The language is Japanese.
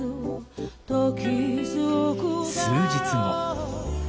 数日後。